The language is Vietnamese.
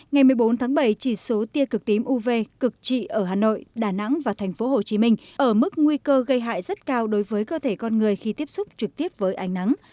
ngày một mươi bốn tháng bảy chỉ số tia cực tím uv cực trị ở hà nội đà nẵng và thành phố hồ chí minh ở mức nguy cơ gây hại rất cao đối với cơ thể con người khi tiếp xúc trực tiếp với ánh nắng